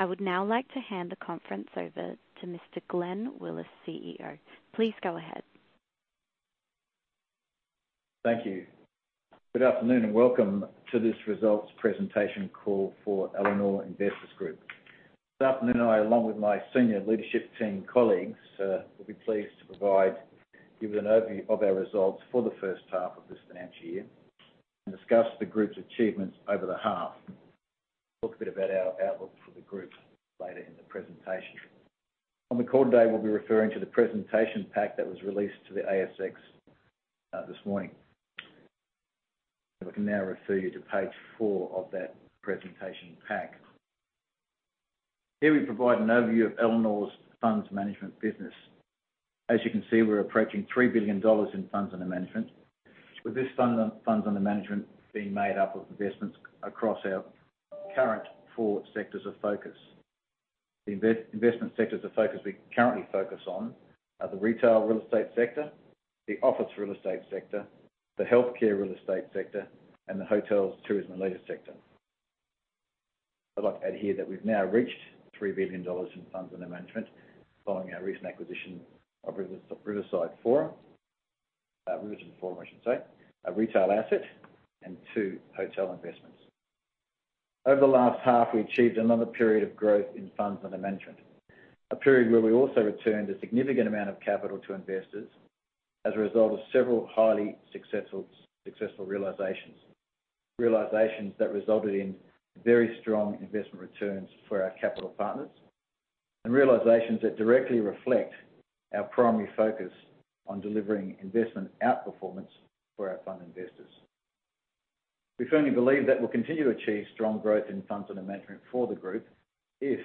I would now like to hand the conference over to Mr. Glenn Willis, CEO. Please go ahead. Thank you. Good afternoon. Welcome to this results presentation call for Elanor Investors Group. This afternoon, I, along with my senior leadership team colleagues, will be pleased to give you an overview of our results for the first half of this financial year and discuss the group's achievements over the half. Talk a bit about our outlook for the group later in the presentation. On the call today, we'll be referring to the presentation pack that was released to the ASX this morning. If I can now refer you to page four of that presentation pack. Here we provide an overview of Elanor's funds management business. As you can see, we're approaching 3 billion dollars in funds under management. With this funds under management being made up of investments across our current four sectors of focus. The investment sectors of focus we currently focus on are the retail real estate sector, the office real estate sector, the healthcare real estate sector, and the hotels, tourism, and leisure sector. I'd like to add here that we've now reached $3 billion in funds under management following our recent acquisition of Riverton Forum, a retail asset and two hotel investments. Over the last half, we achieved another period of growth in funds under management, a period where we also returned a significant amount of capital to investors as a result of several highly successful realizations. Realizations that resulted in very strong investment returns for our capital partners, and realizations that directly reflect our primary focus on delivering investment outperformance for our fund investors. We firmly believe that we'll continue to achieve strong growth in funds under management for the group if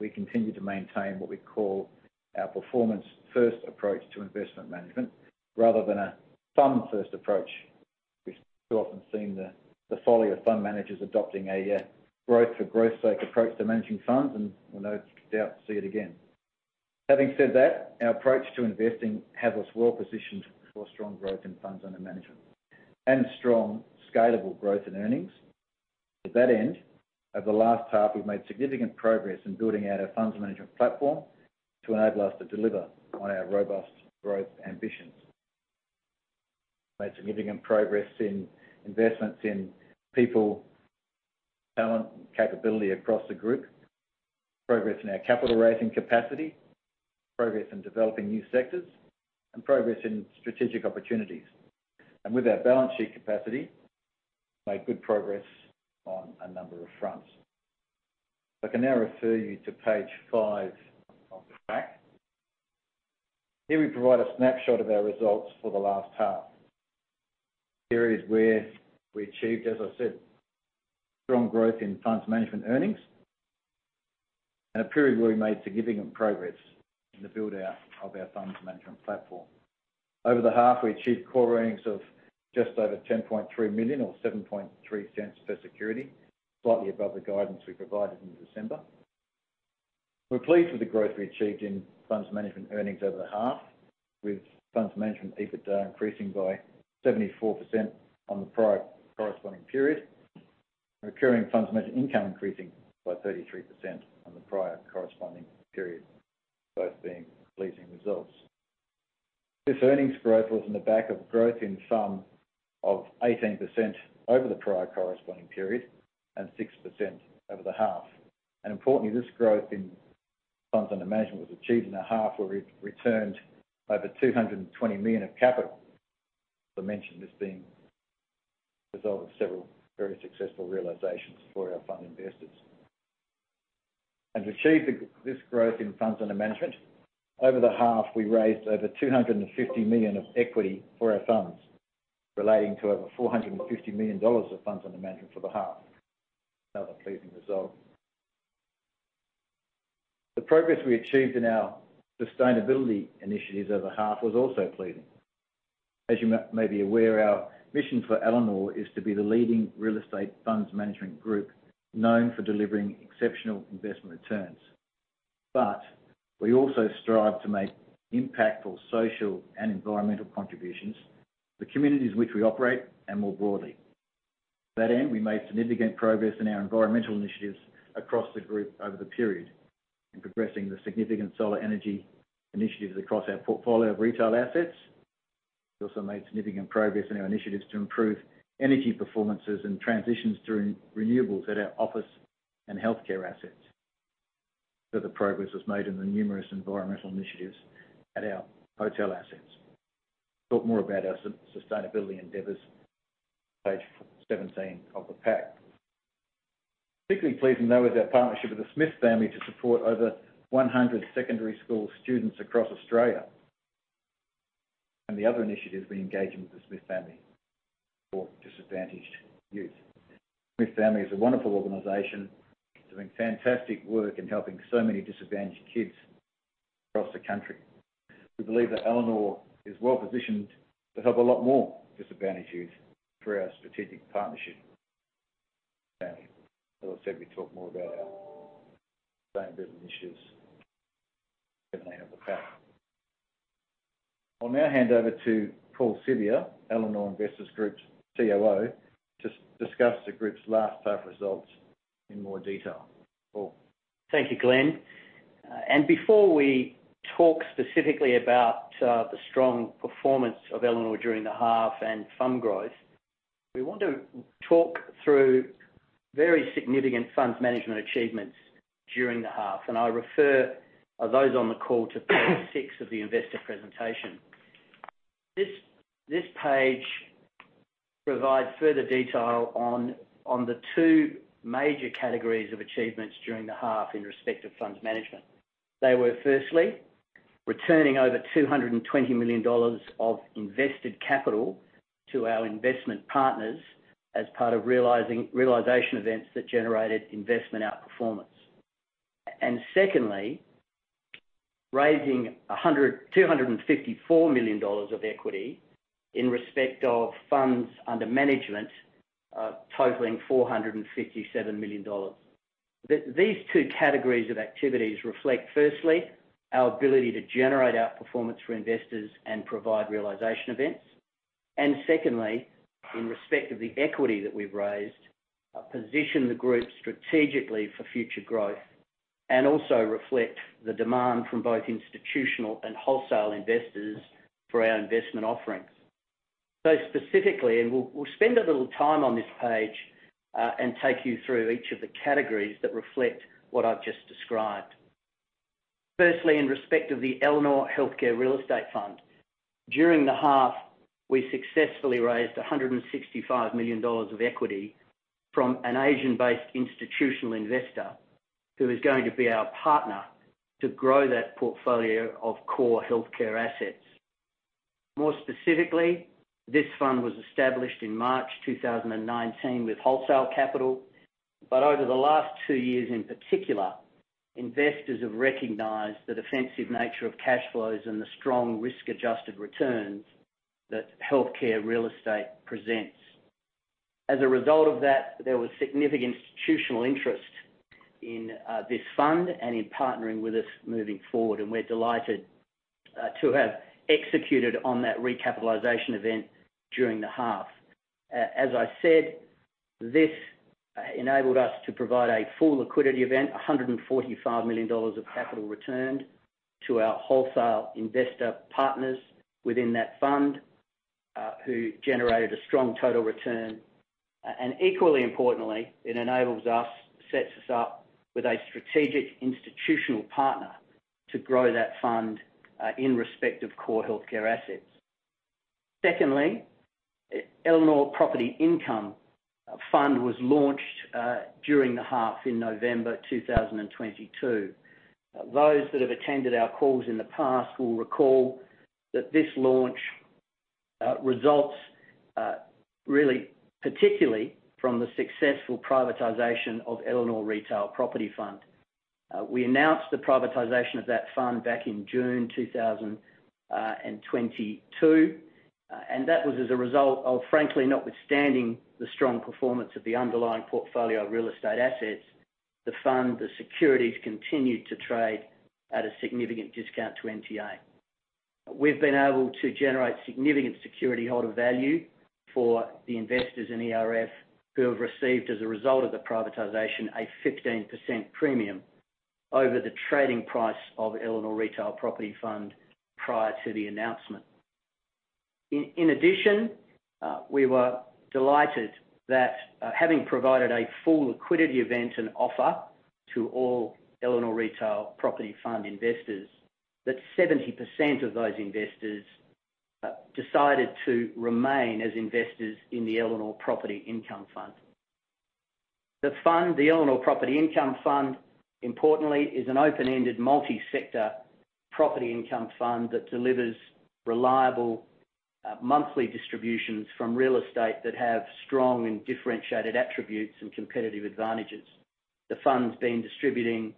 we continue to maintain what we call our performance-first approach to investment management rather than a fund-first approach. We've too often seen the folly of fund managers adopting a growth for growth's sake approach to managing funds, and we'll no doubt see it again. Having said that, our approach to investing has us well-positioned for strong growth in funds under management and strong scalable growth in earnings. To that end, over the last half, we've made significant progress in building out our funds management platform to enable us to deliver on our robust growth ambitions. Made significant progress in investments in people, talent, and capability across the group, progress in our capital raising capacity, progress in developing new sectors, and progress in strategic opportunities. With our balance sheet capacity, made good progress on a number of fronts. If I can now refer you to page five of the pack. Here we provide a snapshot of our results for the last half. Here is where we achieved, as I said, strong growth in funds management earnings, and a period where we made significant progress in the build-out of our funds management platform. Over the half, we achieved core earnings of just over 10.3 million or 0.073 per security, slightly above the guidance we provided in December. We're pleased with the growth we achieved in funds management earnings over the half, with funds management EBITDA increasing by 74% on the prior corresponding period. Recurring funds management income increasing by 33% on the prior corresponding period, both being pleasing results. This earnings growth was on the back of growth in sum of 18% over the prior corresponding period and 6% over the half. Importantly, this growth in funds under management was achieved in a half where we returned over 220 million of capital. As I mentioned, this being the result of several very successful realizations for our fund investors. To achieve this growth in funds under management, over the half, we raised over 250 million of equity for our funds, relating to over 450 million dollars of funds under management for the half. Another pleasing result. The progress we achieved in our sustainability initiatives over the half was also pleasing. As you may be aware, our mission for Elanor is to be the leading real estate funds management group known for delivering exceptional investment returns. We also strive to make impactful social and environmental contributions to the communities in which we operate and more broadly. To that end, we made significant progress in our environmental initiatives across the group over the period in progressing the significant solar energy initiatives across our portfolio of retail assets. We also made significant progress in our initiatives to improve energy performances and transitions to renewables at our office and healthcare assets. Further progress was made in the numerous environmental initiatives at our hotel assets. Talk more about our sustainability endeavors, page 17 of the pack. Particularly pleasing, though, is our partnership with The Smith Family to support over 100 secondary school students across Australia. The other initiatives we engage in with The Smith Family for disadvantaged youth. The Smith Family is a wonderful organization doing fantastic work in helping so many disadvantaged kids across the country. We believe that Elanor is well-positioned to help a lot more disadvantaged youth through our strategic partnership with The Smith Family. As I said, we talk more about our sustainability initiatives on page 17 of the pack. I'll now hand over to Paul Siviour, Elanor Investors Group's COO, to discuss the group's last half results in more detail. Paul. Thank you, Glenn. Before we talk specifically about the strong performance of Elanor during the half and fund growth, we want to talk through very significant funds management achievements during the half. I refer those on the call to page six of the investor presentation. This page provides further detail on the two major categories of achievements during the half in respect of funds management. They were, firstly, returning over 220 million dollars of invested capital to our investment partners as part of realization events that generated investment outperformance. Secondly, raising 254 million dollars of equity in respect of funds under management, totaling 457 million dollars. These two categories of activities reflect, firstly, our ability to generate outperformance for investors and provide realization events. Secondly, in respect of the equity that we've raised, position the group strategically for future growth, and also reflect the demand from both institutional and wholesale investors for our investment offerings. Specifically, and we'll spend a little time on this page, and take you through each of the categories that reflect what I've just described. Firstly, in respect of the Elanor Healthcare Real Estate Fund, during the half, we successfully raised 165 million dollars of equity from an Asian-based institutional investor who is going to be our partner to grow that portfolio of core healthcare assets. More specifically, this fund was established in March 2019 with wholesale capital, but over the last two years in particular, investors have recognized the defensive nature of cash flows and the strong risk-adjusted returns that healthcare real estate presents. There was significant institutional interest in this fund and in partnering with us moving forward, and we're delighted to have executed on that recapitalization event during the half. As I said, this enabled us to provide a full liquidity event, 145 million dollars of capital returned to our wholesale investor partners within that fund, who generated a strong total return. Equally importantly, it enables us, sets us up with a strategic institutional partner to grow that fund in respect of core healthcare assets. Secondly, Elanor Property Income Fund was launched during the half in November 2022. Those that have attended our calls in the past will recall that this launch results really particularly from the successful privatization of Elanor Retail Property Fund. We announced the privatization of that fund back in June 2022. That was as a result of, frankly, notwithstanding the strong performance of the underlying portfolio of real estate assets, the fund, the securities continued to trade at a significant discount to NTA. We've been able to generate significant security holder value for the investors in ERF who have received, as a result of the privatization, a 15% premium over the trading price of Elanor Retail Property Fund prior to the announcement. In addition, we were delighted that, having provided a full liquidity event and offer to all Elanor Retail Property Fund investors, that 70% of those investors decided to remain as investors in the Elanor Property Income Fund. The fund, the Elanor Property Income Fund, importantly, is an open-ended multi-sector property income fund that delivers reliable, monthly distributions from real estate that have strong and differentiated attributes and competitive advantages. The fund's been distributing,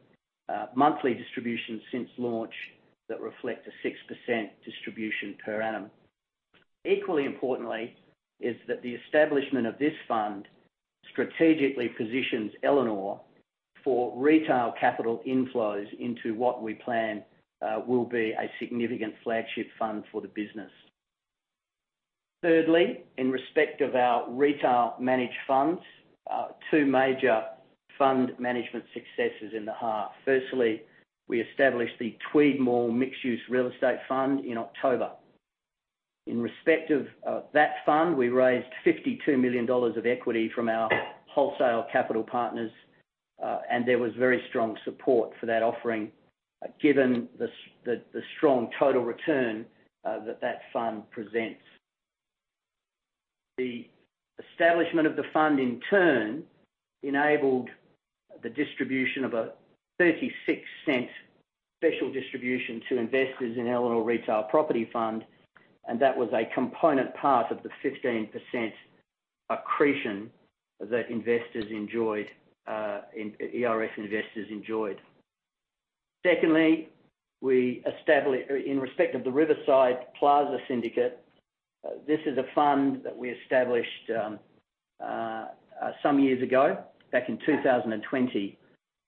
monthly distributions since launch that reflect a 6% distribution per annum. Equally importantly is that the establishment of this fund strategically positions Elanor for retail capital inflows into what we plan, will be a significant flagship fund for the business. In respect of our retail managed funds, two major fund management successes in the half. Firstly, we established the Tweed Mall Mixed-Use Real Estate Fund in October. In respect of, that fund, we raised 52 million dollars of equity from our wholesale capital partners, and there was very strong support for that offering, given the strong total return, that that fund presents. The establishment of the fund in turn enabled the distribution of a 0.36 special distribution to investors in Elanor Retail Property Fund. That was a component part of the 15% accretion that investors enjoyed, in ERF investors enjoyed. Secondly, in respect of the Riverside Plaza Syndicate. This is a fund that we established some years ago, back in 2020.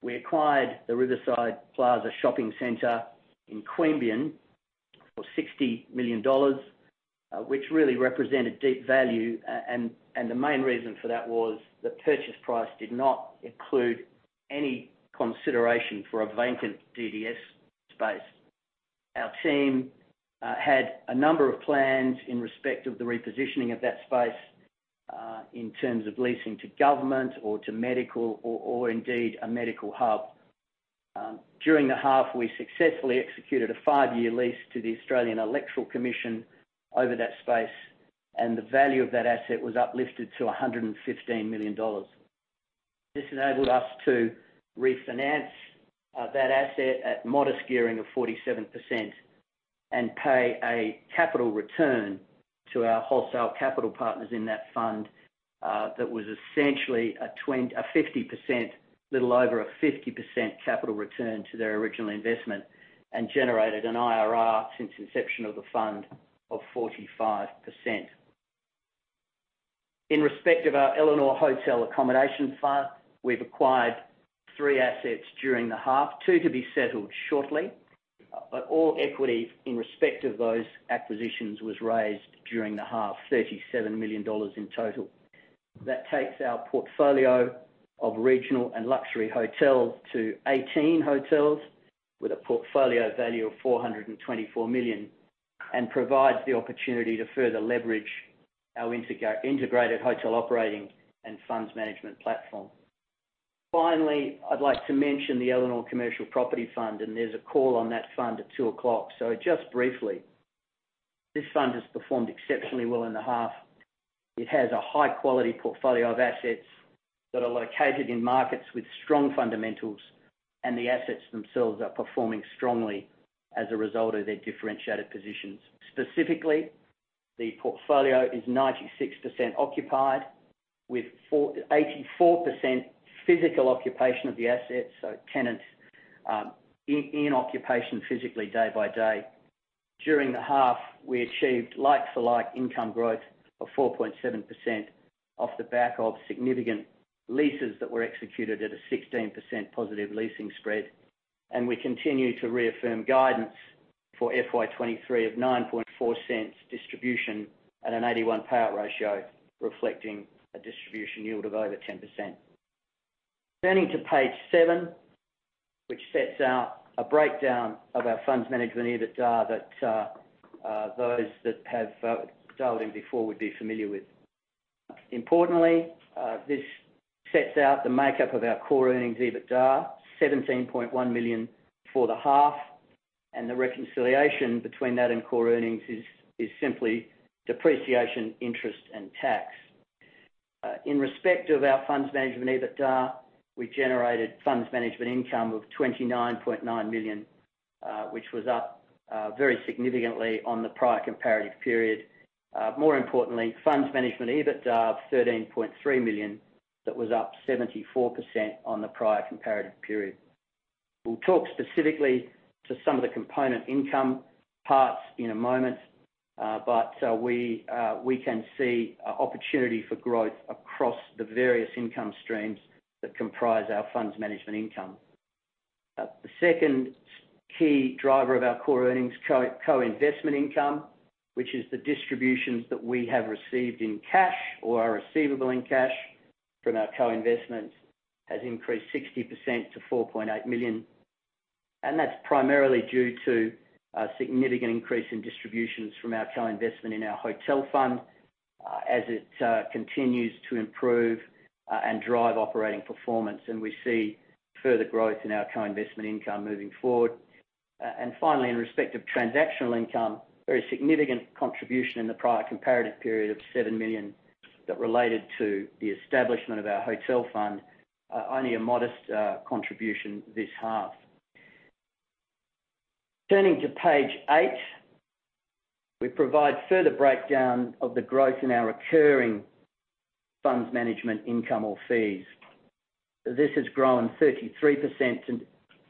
We acquired the Riverside Plaza Shopping Center in Queanbeyan for 60 million dollars, which really represented deep value. The main reason for that was the purchase price did not include any consideration for a vacant DDS space. Our team had a number of plans in respect of the repositioning of that space, in terms of leasing to government or to medical or indeed a medical hub. During the half, we successfully executed a five-year lease to the Australian Electoral Commission over that space, and the value of that asset was uplifted to 115 million dollars. This enabled us to refinance that asset at modest gearing of 47% and pay a capital return to our wholesale capital partners in that fund that was essentially a 50%, little over a 50% capital return to their original investment and generated an IRR since inception of the fund of 45%. In respect of our Elanor Hotel Accommodation Fund, we've acquired three assets during the half, two to be settled shortly, but all equity in respect of those acquisitions was raised during the half, 37 million dollars in total. That takes our portfolio of regional and luxury hotels to 18 hotels with a portfolio value of 424 million, and provides the opportunity to further leverage our integrated hotel operating and funds management platform. I'd like to mention the Elanor Commercial Property Fund, and there's a call on that fund at 2:00 P.M. Just briefly, this fund has performed exceptionally well in the half. It has a high-quality portfolio of assets that are located in markets with strong fundamentals, and the assets themselves are performing strongly as a result of their differentiated positions. Specifically, the portfolio is 96% occupied, with 84% physical occupation of the assets, so tenants in occupation physically day by day. During the half, we achieved like for like income growth of 4.7% off the back of significant leases that were executed at a 16% positive leasing spread. We continue to reaffirm guidance for FY 2023 of 0.094 distribution at an 81 payout ratio, reflecting a distribution yield of over 10%. Turning to page seven, which sets out a breakdown of our funds management EBITDA that those that have dialed in before would be familiar with. Importantly, this sets out the makeup of our core earnings EBITDA, 17.1 million for the half, and the reconciliation between that and core earnings is simply depreciation, interest, and tax. In respect of our funds management EBITDA, we generated funds management income of 29.9 million, which was up very significantly on the prior comparative period. More importantly, funds management EBITDA of 13.3 million, that was up 74% on the prior comparative period. We'll talk specifically to some of the component income parts in a moment, but we can see opportunity for growth across the various income streams that comprise our funds management income. The second key driver of our core earnings, co-investment income, which is the distributions that we have received in cash or are receivable in cash from our co-investments, has increased 60% to 4.8 million. That's primarily due to a significant increase in distributions from our co-investment in our hotel fund, as it continues to improve and drive operating performance. We see further growth in our co-investment income moving forward. Finally, in respect of transactional income, very significant contribution in the prior comparative period of 7 million that related to the establishment of our Hotel Fund, only a modest contribution this half. Turning to page eight, we provide further breakdown of the growth in our recurring funds management income or fees. This has grown 33% to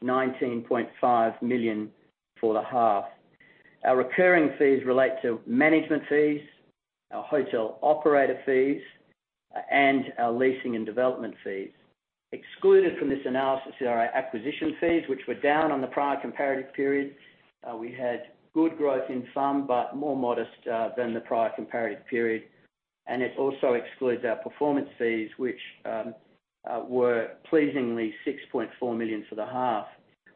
19.5 million for the half. Our recurring fees relate to management fees, our hotel operator fees, and our leasing and development fees. Excluded from this analysis are our acquisition fees, which were down on the prior comparative period. We had good growth in some, but more modest, than the prior comparative period. It also excludes our performance fees, which were pleasingly 6.4 million for the half.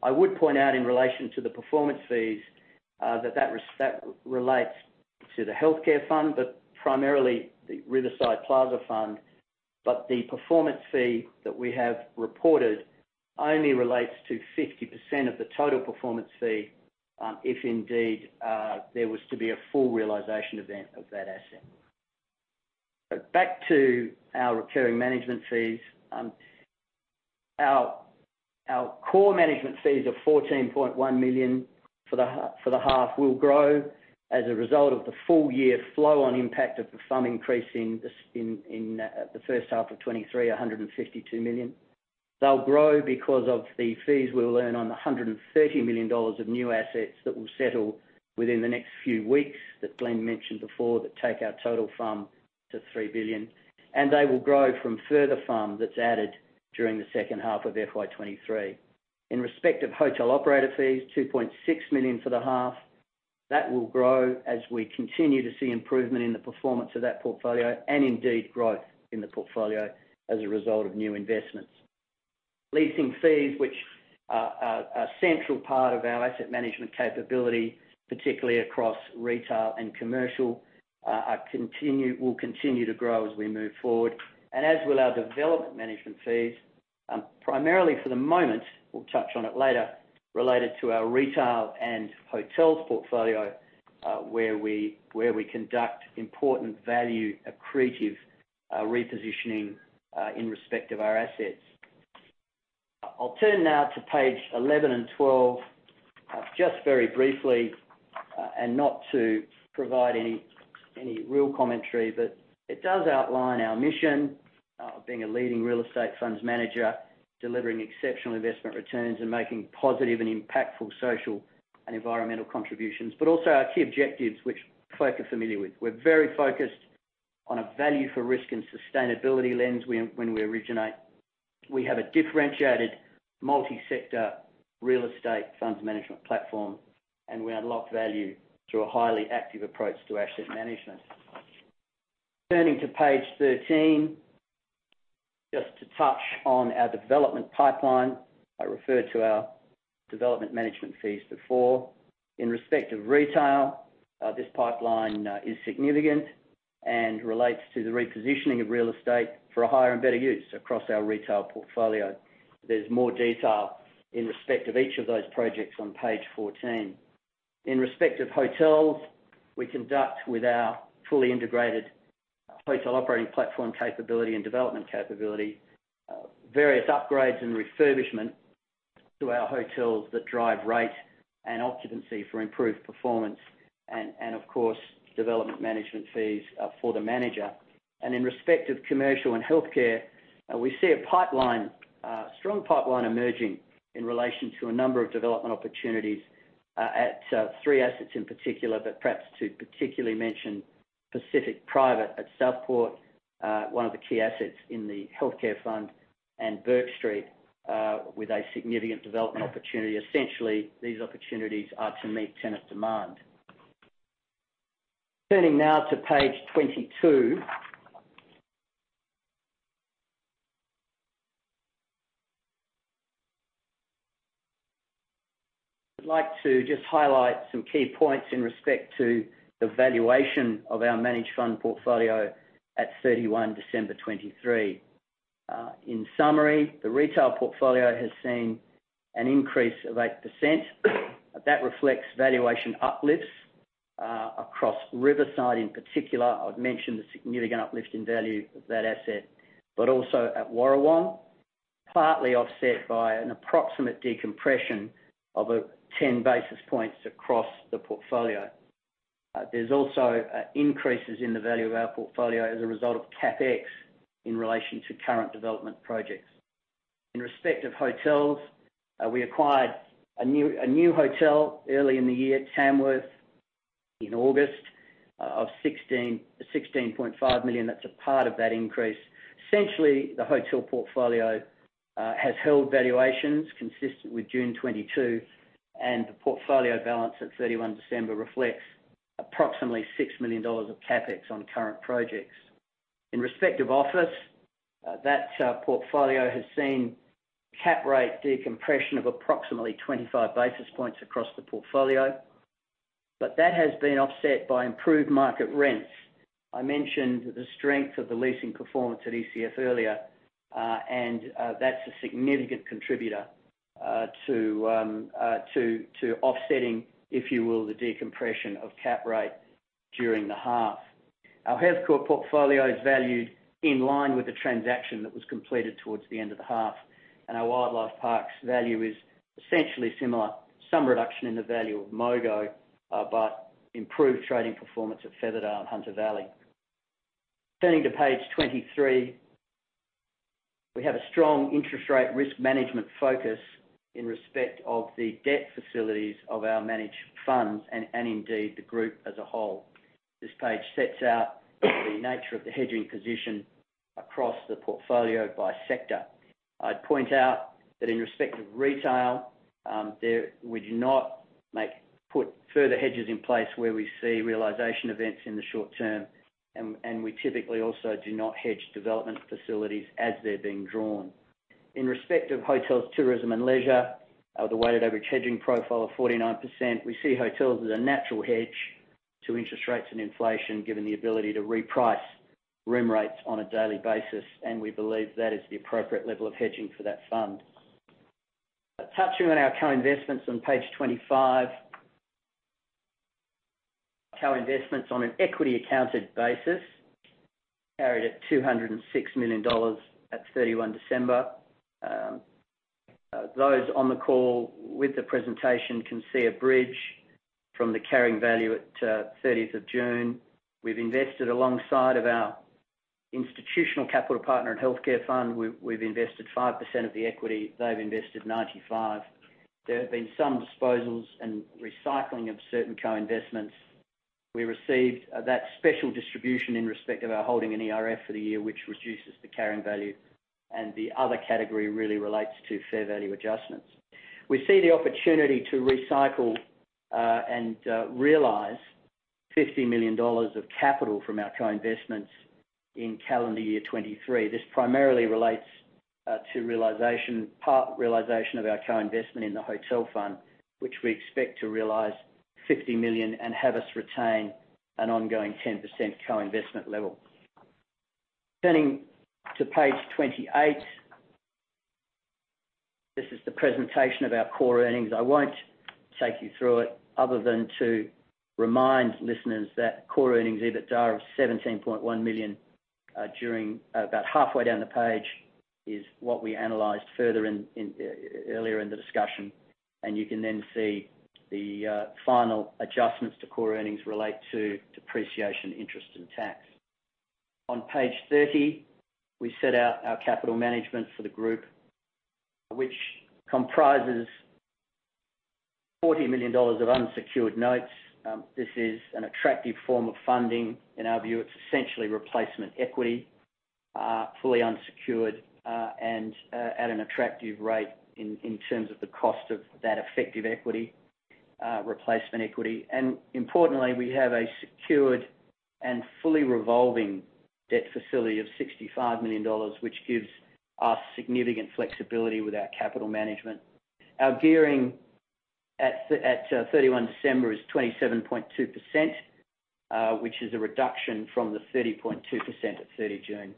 I would point out in relation to the performance fees, that relates to the Healthcare Fund, but primarily the Riverside Plaza Fund, but the performance fee that we have reported only relates to 50% of the total performance fee, if indeed, there was to be a full realization event of that asset. Back to our recurring management fees, our core management fees of 14.1 million for the half will grow as a result of the full year flow on impact of the fund increase in the first half of 2023, 152 million. They'll grow because of the fees we will earn on the $130 million of new assets that will settle within the next few weeks, that Glenn mentioned before, that take our total FUM to 3 billion. They will grow from further FUM that's added during the second half of FY 2023. In respect of hotel operator fees, 2.6 million for the half. That will grow as we continue to see improvement in the performance of that portfolio, and indeed growth in the portfolio as a result of new investments. Leasing fees, which are a central part of our asset management capability, particularly across retail and commercial, will continue to grow as we move forward. As will our development management fees, primarily for the moment, we'll touch on it later, related to our retail and hotels portfolio, where we conduct important value-accretive repositioning in respect of our assets. I'll turn now to page 11 and 12, just very briefly, not to provide any real commentary, but it does outline our mission of being a leading real estate funds manager, delivering exceptional investment returns, and making positive and impactful social and environmental contributions. Also our key objectives, which folk are familiar with. We're very focused on a value for risk and sustainability lens when we originate. We have a differentiated multi-sector real estate funds management platform. We unlock value through a highly active approach to asset management. Turning to page 13, just to touch on our development pipeline. I referred to our development management fees before. In respect of retail, this pipeline is significant and relates to the repositioning of real estate for a higher and better use across our retail portfolio. There's more detail in respect of each of those projects on page 14. In respect of hotels, we conduct with our fully integrated hotel operating platform capability and development capability, various upgrades and refurbishment to our hotels that drive rate and occupancy for improved performance and of course, development management fees for the manager. In respect of commercial and healthcare, we see a pipeline, strong pipeline emerging in relation to a number of development opportunities, at three assets in particular. Perhaps to particularly mention Pacific Private at Southport, one of the key assets in the healthcare fund, and Bourke Street, with a significant development opportunity. Essentially, these opportunities are to meet tenant demand. Turning now to page 22. I'd like to just highlight some key points in respect to the valuation of our managed fund portfolio at December 31 2023. In summary, the retail portfolio has seen an increase of 8%. That reflects valuation uplifts, across Riverside in particular. I've mentioned the significant uplift in value of that asset. Also at Warrawong, partly offset by an approximate decompression of a 10 basis points across the portfolio. There's also increases in the value of our portfolio as a result of CapEx in relation to current development projects. In respect of hotels, we acquired a new hotel early in the year, Tamworth, in August, of 16.5 million. That's a part of that increase. Essentially, the hotel portfolio has held valuations consistent with June 2022, and the portfolio balance at December 31 reflects approximately 6 million dollars of CapEx on current projects. In respect of office, that portfolio has seen cap rate decompression of approximately 25 basis points across the portfolio. That has been offset by improved market rents. I mentioned the strength of the leasing performance at ECF earlier, that's a significant contributor to offsetting, if you will, the decompression of cap rate during the half. Our healthcare portfolio is valued in line with the transaction that was completed towards the end of the half, and our wildlife parks value is essentially similar. Some reduction in the value of Mogo, but improved trading performance at Featherdale and Hunter Valley. Turning to page 23. We have a strong interest rate risk management focus in respect of the debt facilities of our managed funds and indeed the group as a whole. This page sets out the nature of the hedging position across the portfolio by sector. I'd point out that in respect of retail, there, we do not put further hedges in place where we see realization events in the short term, and we typically also do not hedge development facilities as they're being drawn. In respect of hotels, tourism, and leisure, the weighted average hedging profile of 49%, we see hotels as a natural hedge to interest rates and inflation, given the ability to reprice room rates on a daily basis, and we believe that is the appropriate level of hedging for that fund. Touching on our co-investments on page 25. Co-investments on an equity accounted basis carried at 206 million dollars at December 31, those on the call with the presentation can see a bridge from the carrying value at June 30. We've invested alongside of our institutional capital partner in healthcare fund. We've invested 5% of the equity, they've invested 95%. There have been some disposals and recycling of certain co-investments. We received that special distribution in respect of our holding in ERF for the year, which reduces the carrying value, and the other category really relates to fair value adjustments. We see the opportunity to recycle and realize 50 million dollars of capital from our co-investments in calendar year 2023. This primarily relates to part realization of our co-investment in the Elanor Hotel Accommodation Fund, which we expect to realize 50 million and have us retain an ongoing 10% co-investment level. Turning to page 28. This is the presentation of our core earnings. I won't take you through it other than to remind listeners that core earnings, EBITDA, of 17.1 million About halfway down the page is what we analyzed further in earlier in the discussion. You can then see the final adjustments to core earnings relate to depreciation, interest, and tax. On page 30, we set out our capital management for the group, which comprises 40 million dollars of unsecured notes. This is an attractive form of funding. In our view, it's essentially replacement equity, fully unsecured, and at an attractive rate in terms of the cost of that effective equity, replacement equity. Importantly, we have a secured and fully revolving debt facility of 65 million dollars, which gives us significant flexibility with our capital management. Our gearing at December 31 is 27.2%, which is a reduction from the 30.2% at June 30.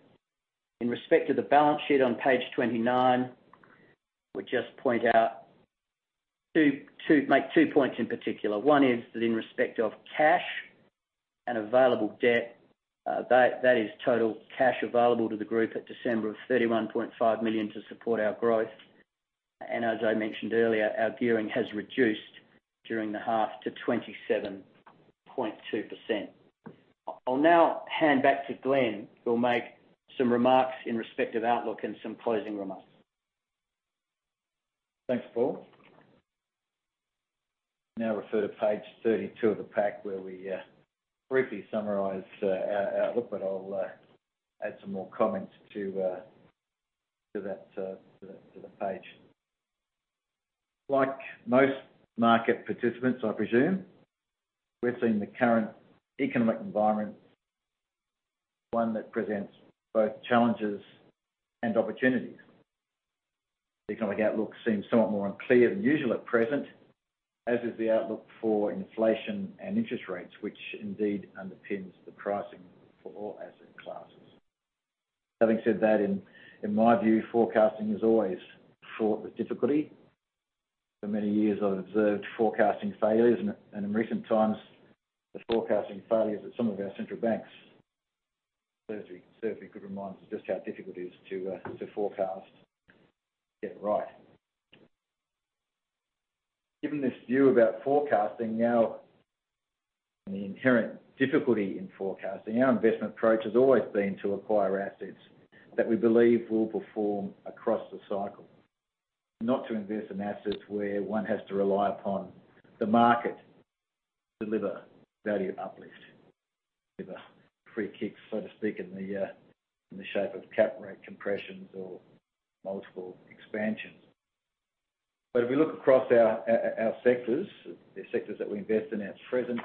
In respect to the balance sheet on page 29, we just make two points in particular. One is that in respect of cash and available debt, that is total cash available to the group at December of 31.5 million to support our growth. As I mentioned earlier, our gearing has reduced during the half to 27.2%. I'll now hand back to Glenn, who'll make some remarks in respect of outlook and some closing remarks. Thanks, Paul Siviour. Now refer to page 32 of the pack, where we briefly summarize our outlook. I'll add some more comments to that to the page. Like most market participants, I presume, we've seen the current economic environment, one that presents both challenges and opportunities. The economic outlook seems somewhat more unclear than usual at present, as is the outlook for inflation and interest rates, which indeed underpins the pricing for all asset classes. Having said that, in my view, forecasting has always fraught with difficulty. For many years, I've observed forecasting failures, and in recent times, the forecasting failures at some of our central banks. Those are certainly good reminders of just how difficult it is to forecast, get it right. Given this view about forecasting now and the inherent difficulty in forecasting, our investment approach has always been to acquire assets that we believe will perform across the cycle. Not to invest in assets where one has to rely upon the market to deliver value uplift with a free kick, so to speak, in the shape of cap rate compressions or multiple expansions. If we look across our sectors, the sectors that we invest in at present,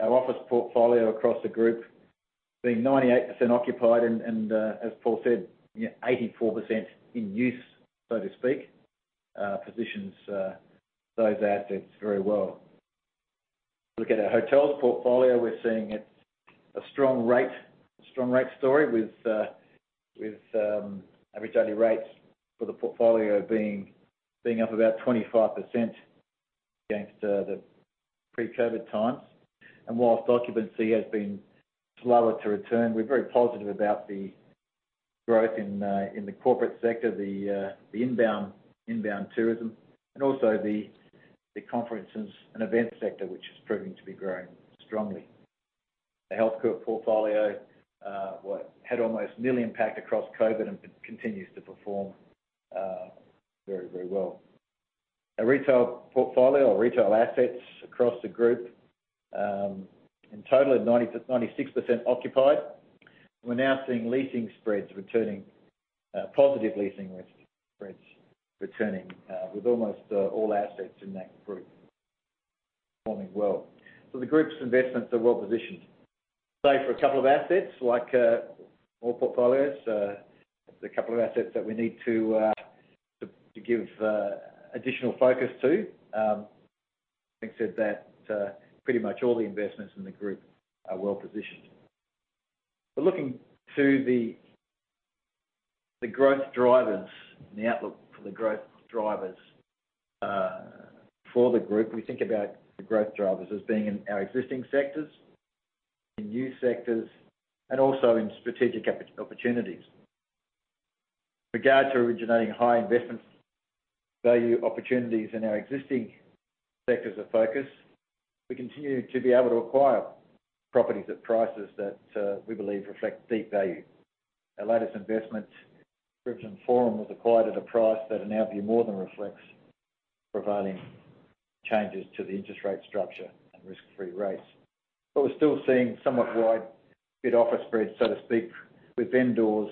our office portfolio across the group being 98% occupied and, as Paul said, you know, 84% in use, so to speak, positions those assets very well. Look at our hotels portfolio, we're seeing it a strong rate, a strong rate story with average daily rates for the portfolio being up about 25% against the pre-COVID times. Whilst occupancy has been slower to return, we're very positive about the growth in the corporate sector, the inbound tourism, and also the conferences and events sector, which is proving to be growing strongly. The healthcare portfolio, well, had almost nil impact across COVID and continues to perform very well. Our retail portfolio or retail assets across the group, in total at 90%-96% occupied. We're now seeing leasing spreads returning, positive leasing spreads returning, with almost all assets in that group performing well. The group's investments are well positioned. Save for a couple of assets like, all portfolios, there's a couple of assets that we need to give additional focus to. Having said that, pretty much all the investments in the group are well positioned. Looking to the growth drivers and the outlook for the growth drivers for the group, we think about the growth drivers as being in our existing sectors, in new sectors and also in strategic opportunities. Regard to originating high investment value opportunities in our existing sectors of focus, we continue to be able to acquire properties at prices that we believe reflect deep value. Our latest investment, Brisbane Forum, was acquired at a price that in our view more than reflects prevailing changes to the interest rate structure and risk-free rates. We're still seeing somewhat wide bid offer spreads, so to speak, with vendors,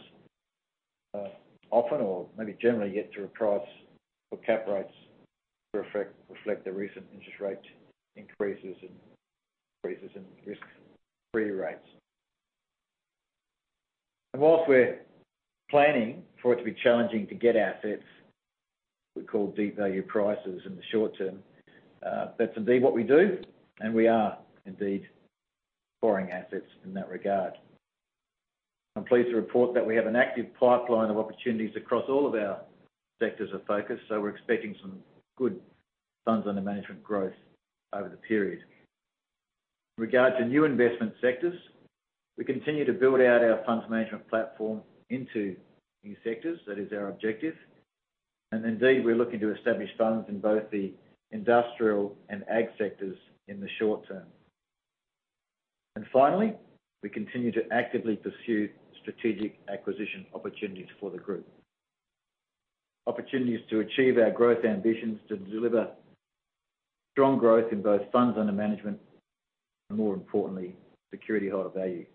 often or maybe generally yet to reprice or cap rates reflect the recent interest rate increases and increases in risk-free rates. Whilst we're planning for it to be challenging to get assets, we call deep value prices in the short term, that's indeed what we do, and we are indeed borrowing assets in that regard. I'm pleased to report that we have an active pipeline of opportunities across all of our sectors of focus, so we're expecting some good funds under management growth over the period. In regard to new investment sectors, we continue to build out our funds management platform into new sectors. That is our objective. Indeed, we're looking to establish funds in both the industrial and ag sectors in the short term. Finally, we continue to actively pursue strategic acquisition opportunities for the group. Opportunities to achieve our growth ambitions, to deliver strong growth in both funds under management, and more importantly, security holder value.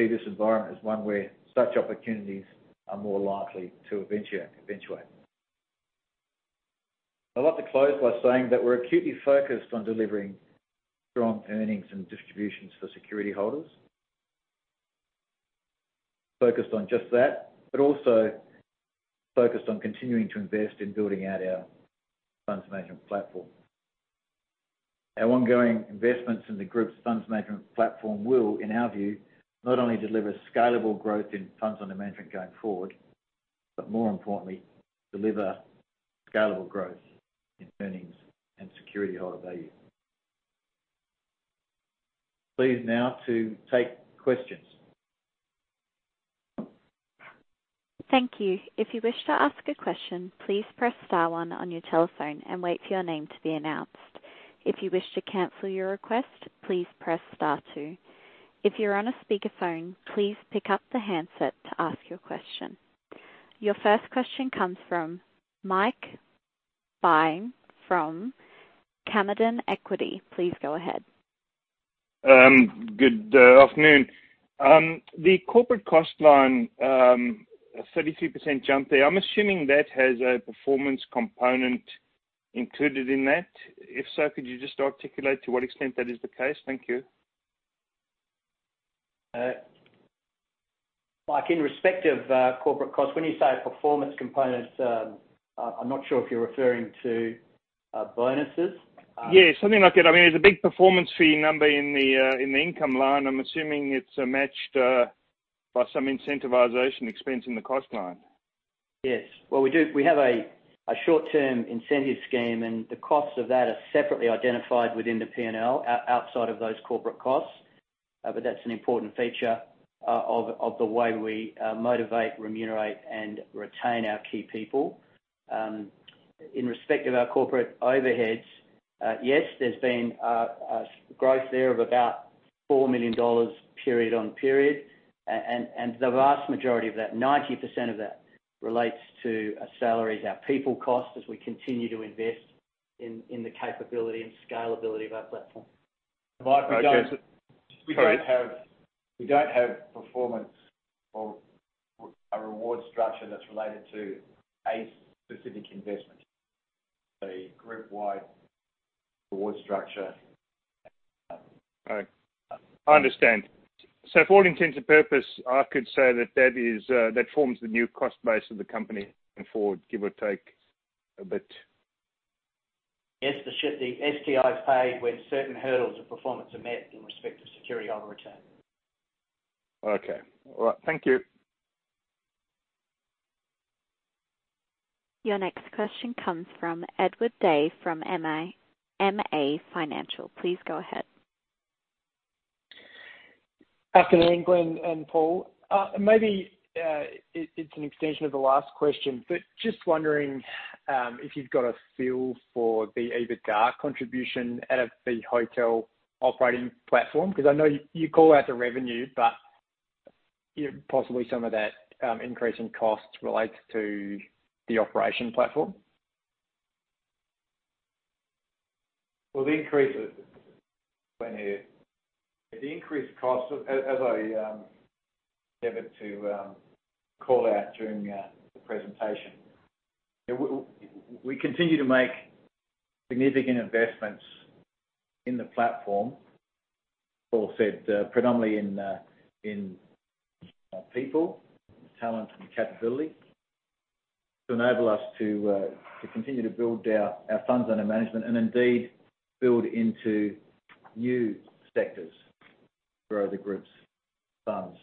See this environment as one where such opportunities are more likely to eventuate. I'd like to close by saying that we're acutely focused on delivering strong earnings and distributions for security holders. Focused on just that, but also focused on continuing to invest in building out our funds management platform. Our ongoing investments in the group's funds management platform will, in our view, not only deliver scalable growth in funds under management going forward, but more importantly, deliver scalable growth in earnings and security holder value. Pleased now to take questions. Thank you. If you wish to ask a question, please press star one on your telephone and wait for your name to be announced. If you wish to cancel your request, please press star two. If you're on a speakerphone, please pick up the handset to ask your question. Your first question comes from Mike Pyke from Moelis Australia. Please go ahead. Good afternoon. The corporate cost line, a 33% jump there. I'm assuming that has a performance component included in that. If so, could you just articulate to what extent that is the case? Thank you. Mike, in respect of corporate costs, when you say a performance component, I'm not sure if you're referring to bonuses? Yeah, something like that. I mean, there's a big performance fee number in the in the income line. I'm assuming it's matched by some incentivization expense in the cost line. Yes. Well, we have a short-term incentive scheme, and the costs of that are separately identified within the P&L outside of those corporate costs. That's an important feature of the way we motivate, remunerate, and retain our key people. In respect of our corporate overheads, yes, there's been a growth there of about 4 million dollars period on period. The vast majority of that, 90% of that relates to salaries, our people cost, as we continue to invest in the capability and scalability of our platform. Okay. Mike, we don't Sorry. We don't have performance or a reward structure that's related to a specific investment. A group-wide reward structure. All right. I understand. For all intents and purpose, I could say that that is, that forms the new cost base of the company going forward, give or take a bit. Yes. The STI is paid when certain hurdles of performance are met in respect to security on return. Okay. All right. Thank you. Your next question comes from Edward Day from MA Financial. Please go ahead. Afternoon, Glenn and Paul. Maybe, it's an extension of the last question, just wondering if you've got a feel for the EBITDA contribution out of the hotel operating platform, because I know you call out the revenue, but, you know, possibly some of that increase in costs relates to the operation platform. Well, the increase is the increased cost as I failed to call out during the presentation. We continue to make significant investments in the platform. Paul Siviour said, predominantly in people, talent and capability to enable us to continue to build our funds under management and indeed build into new sectors to grow the group's funds.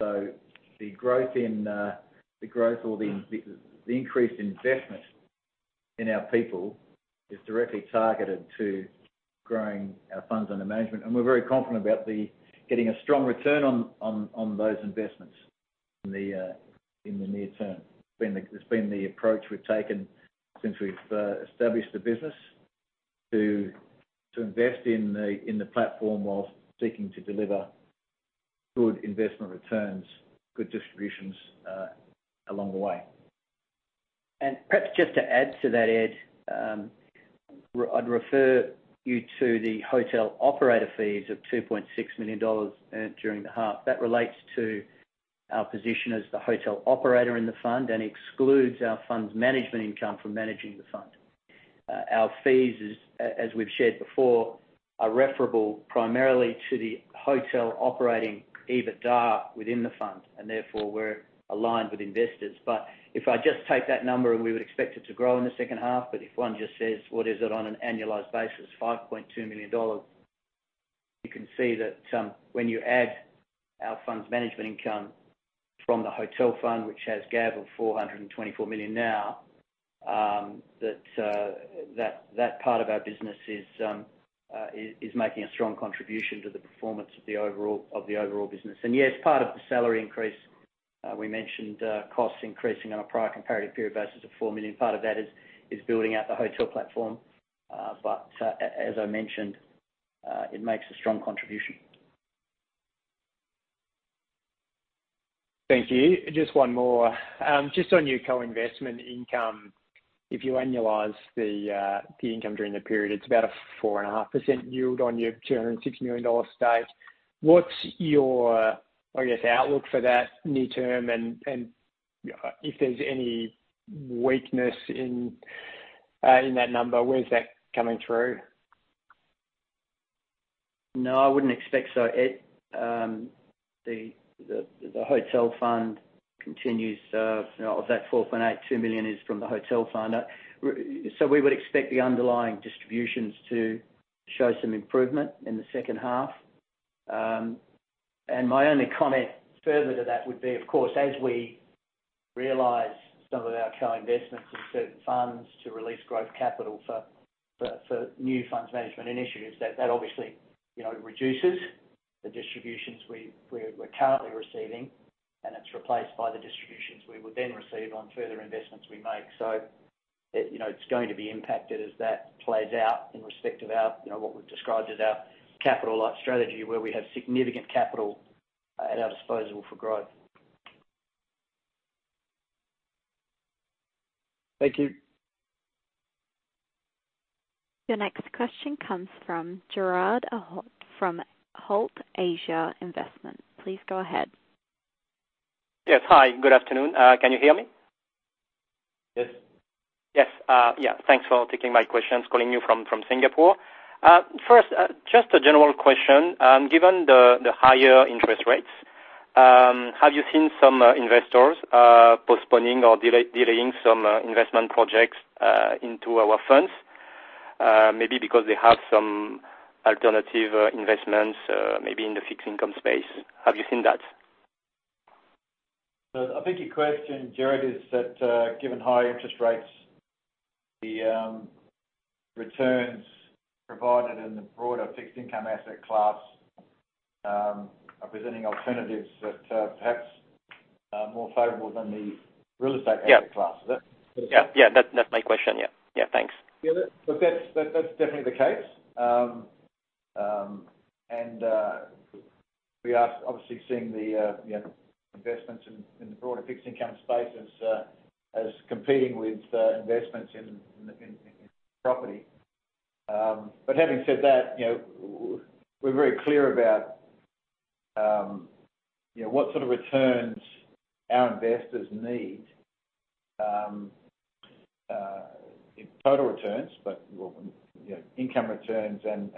The growth or the increased investment in our people is directly targeted to growing our funds under management. We're very confident about getting a strong return on those investments in the near term. It's been the approach we've taken since we've established the business to invest in the platform while seeking to deliver good investment returns, good distributions along the way. Perhaps just to add to that, Ed, I'd refer you to the hotel operator fees of 2.6 million dollars earned during the half. That relates to our position as the hotel operator in the fund, and excludes our fund's management income from managing the fund. Our fees as we've shared before, are referable primarily to the hotel operating EBITDA within the fund, and therefore we're aligned with investors. If I just take that number, and we would expect it to grow in the second half, but if one just says, "What is it on an annualized basis?" 5.2 million dollars. You can see that when you add our fund's management income from the hotel fund, which has GAV of 424 million now, that part of our business is making a strong contribution to the performance of the overall business. Yes, part of the salary increase we mentioned costs increasing on a prior comparative period basis of 4 million. Part of that is building out the hotel platform. As I mentioned, it makes a strong contribution. Thank you. Just one more. Just on your co-investment income, if you annualize the income during the period, it's about a 4.5% yield on your 260 million dollar stake. What's your, I guess, outlook for that near term? If there's any weakness in that number, where is that coming through? No, I wouldn't expect so, Ed. The hotel fund continues, you know, of that 4.82 million is from the hotel fund. We would expect the underlying distributions to show some improvement in the second half. My only comment further to that would be, of course, as we realize some of our co-investments in certain funds to release growth capital for new funds management initiatives, that obviously, you know, reduces the distributions we're currently receiving, and it's replaced by the distributions we would then receive on further investments we make. It, you know, it's going to be impacted as that plays out in respect of our, you know, what we've described as our capital light strategy, where we have significant capital at our disposable for growth. Thank you. Your next question comes from Gerard Ahhot from Holt Asia Investment. Please go ahead. Yes. Hi, good afternoon. Can you hear me? Yes. Yes. Yeah, thanks for taking my questions, calling you from Singapore. First, just a general question. Given the higher interest rates, have you seen some investors postponing or delaying some investment projects into our funds? Maybe because they have some alternative investments, maybe in the fixed income space. Have you seen that? I think your question, Gerard, is that given high interest rates, the returns provided in the broader fixed income asset class are presenting alternatives that perhaps are more favorable than the real estate asset class. Yeah. Is that it? Yeah. Yeah. That's my question. Yeah. Yeah. Thanks. Yeah. Look, that's definitely the case. We are obviously seeing the, you know, investments in the broader fixed income space as competing with investments in property. Having said that, you know, we're very clear about, you know, what sort of returns our investors need in total returns, but, well, you know, income returns and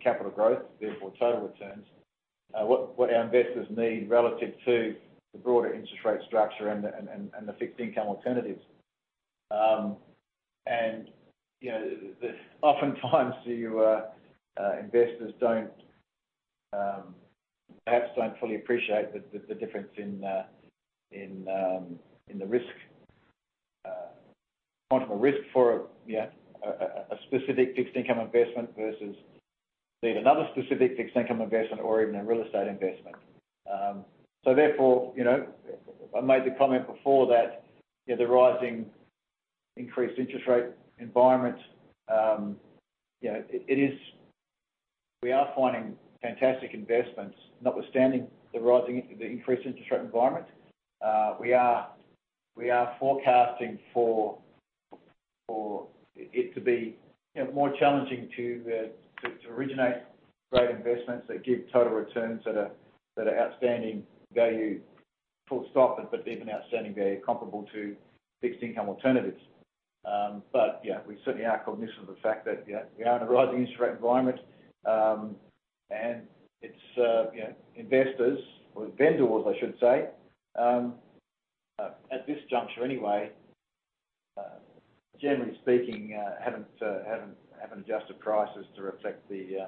capital growth, therefore total returns. What our investors need relative to the broader interest rate structure and the fixed income alternatives. You know, oftentimes your investors don't perhaps don't fully appreciate the difference in the risk, plentiful risk for, you know, a specific fixed income investment versus say another specific fixed income investment or even a real estate investment. Therefore, you know, I made the comment before that, you know, the rising increased interest rate environment, you know, We are finding fantastic investments, notwithstanding the rising, the increased interest rate environment. We are forecasting for it to be, you know, more challenging to originate great investments that give total returns that are outstanding value, full stop, even outstanding value comparable to fixed income alternatives. Yeah, we certainly are cognizant of the fact that, you know, we are in a rising interest rate environment, and it's, you know, investors or vendors I should say, at this juncture anyway, generally speaking, haven't adjusted prices to reflect the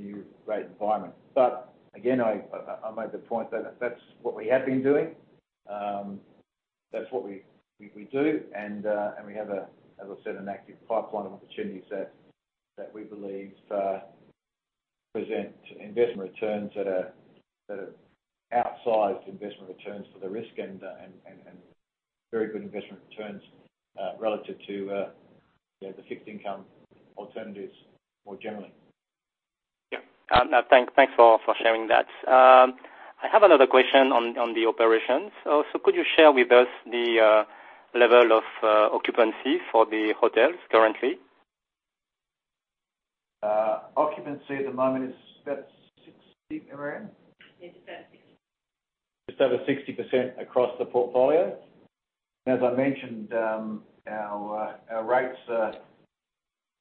new rate environment. Again, I made the point that that's what we have been doing. That's what we do, and we have a, as I said, an active pipeline of opportunities that we believe present investment returns that are outsized investment returns for the risk end, and very good investment returns, relative to, you know, the fixed income alternatives more generally. Yeah. Thanks for sharing that. I have another question on the operations. Could you share with us the level of occupancy for the hotels currently? Occupancy at the moment is about 60, around? Yes, about 60. Just over 60% across the portfolio. As I mentioned,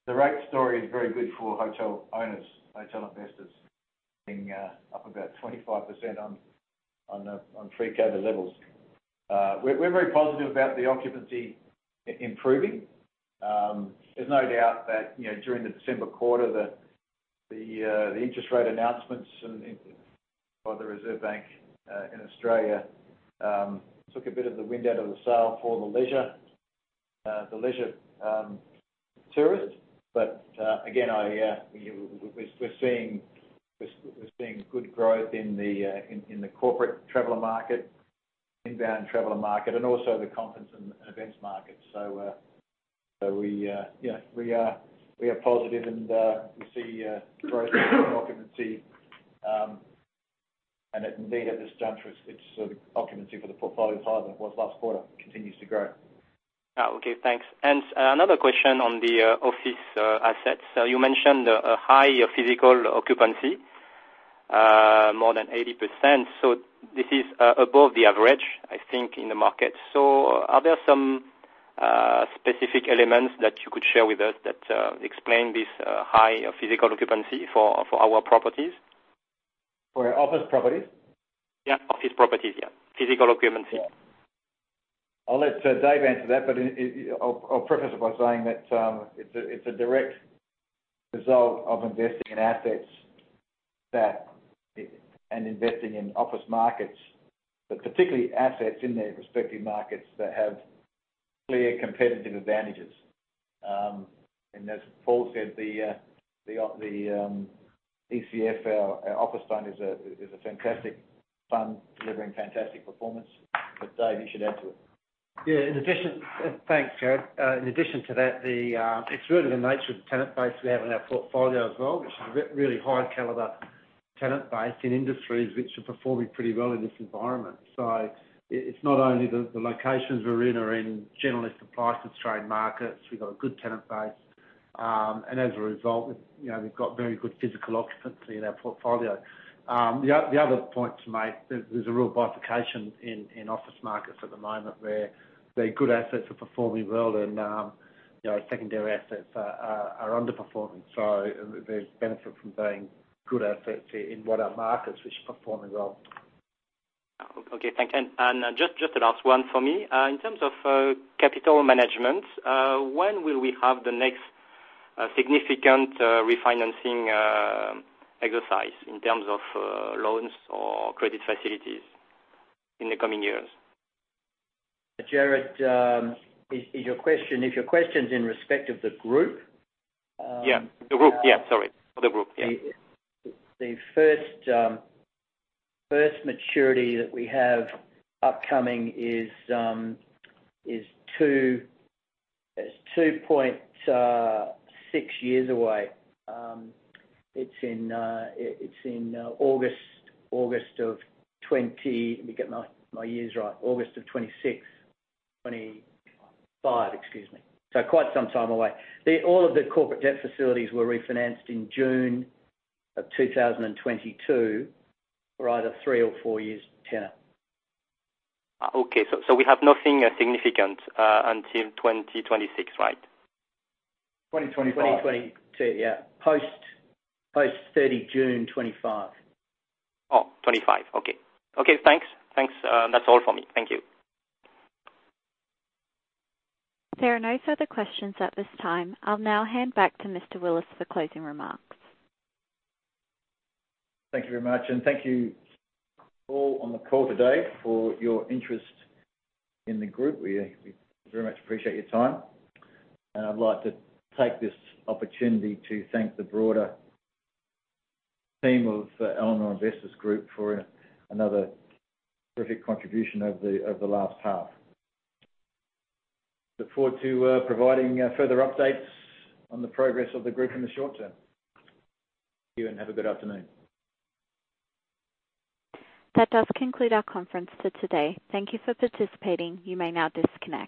the rate story is very good for hotel owners, hotel investors. Being up about 25% on free cover levels. We're very positive about the occupancy improving. There's no doubt that, you know, during the December quarter, the interest rate announcements by the Reserve Bank in Australia took a bit of the wind out of the sail for the leisure tourists. Again, we're seeing good growth in the corporate traveler market, inbound traveler market and also the conference and events market. We are positive and we see growth in occupancy. Indeed at this juncture, it's the occupancy for the portfolio higher than it was last quarter, continues to grow. Okay, thanks. Another question on the office assets. You mentioned a high physical occupancy, more than 80%. This is above the average, I think, in the market. Are there some specific elements that you could share with us that explain this high physical occupancy for our properties? For our office properties? Yeah, office properties, yeah. Physical occupancy. I'll let Paul answer that, but it I'll preface it by saying that it's a direct result of investing in assets that and investing in office markets, but particularly assets in their respective markets that have clear competitive advantages. As Paul said, the ECF office stone is a fantastic fund delivering fantastic performance. Paul, you should add to it. In addition-- Thanks, Gerard. In addition to that, it's really the nature of the tenant base we have in our portfolio as well, which is a really high caliber tenant base in industries which are performing pretty well in this environment. It's not only the locations we're in are in generally supplies to trade markets. We've got a good tenant base. As a result, you know, we've got very good physical occupancy in our portfolio. The other point to make, there's a real bifurcation in office markets at the moment, where good assets are performing well and, you know, secondary assets are underperforming. There's benefit from being good assets in what are markets which are performing well. Okay, thank you. Just the last one for me. In terms of capital management, when will we have the next significant refinancing exercise in terms of loans or credit facilities in the coming years? Gerard, if your question is in respect of the group? Yeah, the group. Yeah. Sorry. The group. Yeah. The first maturity that we have upcoming is 2.6 years away. It's in August of 2025. Quite some time away. All of the corporate debt facilities were refinanced in June of 2022 for either three or four years tenure. Okay. We have nothing significant until 2026, right? 2025. 2022, yeah. Post June 30 2025. 2025. Okay. Okay, thanks. Thanks. That's all for me. Thank you. There are no further questions at this time. I'll now hand back to Mr. Willis for closing remarks. Thank you very much. Thank you all on the call today for your interest in the group. We very much appreciate your time. I'd like to take this opportunity to thank the broader team of Elanor Investors Group for another terrific contribution over the last half. Look forward to providing further updates on the progress of the group in the short term. Thank you, and have a good afternoon. That does conclude our conference for today. Thank you for participating. You may now disconnect.